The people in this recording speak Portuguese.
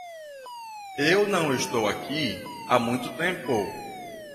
Eu não estou aqui há muito tempo!